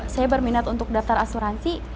saya berminat untuk daftar asuransi